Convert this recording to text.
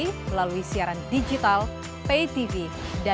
ada lagi yang mau ditambahkan